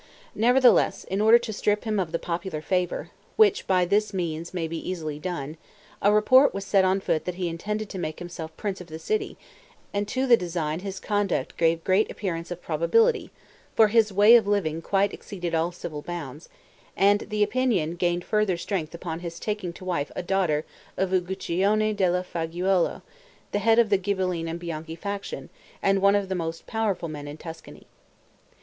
Nevertheless, in order to strip him of the popular favor (which by this means may easily be done), a report was set on foot that he intended to make himself prince of the city; and to the design his conduct gave great appearance of probability, for his way of living quite exceeded all civil bounds; and the opinion gained further strength, upon his taking to wife a daughter of Uguccione della Faggiuola, head of the Ghibelline and Bianchi faction, and one of the most powerful men in Tuscany.